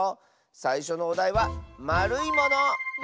さいしょのおだいは「まるいもの」！